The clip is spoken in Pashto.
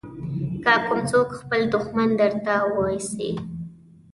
که کوم څوک خپل دښمن درته واېسي.